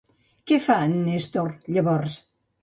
Què fa en Nestor llavors?